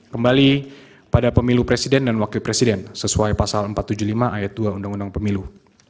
kembali pada pemilu presiden dan wakil presiden sesuai pasal empat ratus tujuh puluh lima ayat dua undang undang pemilu